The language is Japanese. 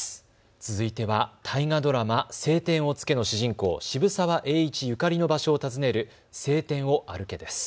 続いては大河ドラマ、青天を衝けの主人公、渋沢栄一ゆかりの場所を訪ねる青天を歩けです。